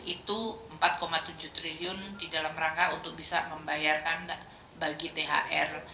itu empat tujuh triliun di dalam rangka untuk bisa membayarkan bagi thr